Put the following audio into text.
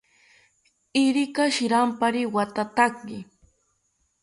Irika shirampari wathataki